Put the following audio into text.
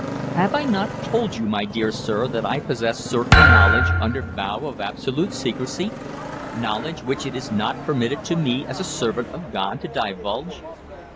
"Have I not told you, my dear sir, that I possess certain knowledge under vow of absolute secrecy knowledge which it is not permitted to me, as a servant of God, to divulge."